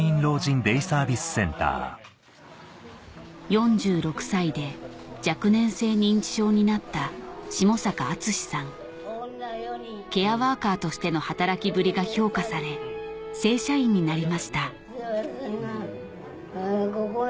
４６歳で若年性認知症になったケアワーカーとしての働きぶりが評価され正社員になりました